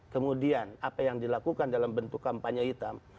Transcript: kemudian apa yang dilakukan dalam bentuk kampanye hitam